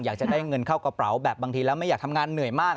อยากจะได้เงินเข้ากระเป๋าแบบบางทีแล้วไม่อยากทำงานเหนื่อยมาก